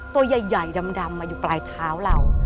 ตัวใหญ่ดำมาอยู่ปลายเท้าเรา